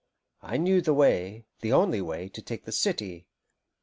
I knew the way, the only way, to take the city.